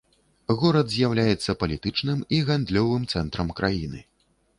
Горад з'яўляецца палітычным і гандлёвым цэнтрам краіны.